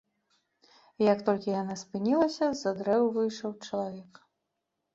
І як толькі яна спынілася, з-за дрэў выйшаў чалавек.